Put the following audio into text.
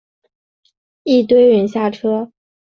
一堆人下车